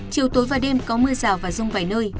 chiều tối và đêm có mưa rào và rông vài nơi